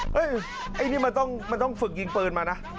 ไอ้นี่มันต้องฝึกยิงปืนมานะ